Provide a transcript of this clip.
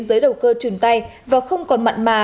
giới đầu cơ truyền tay và không còn mặn mà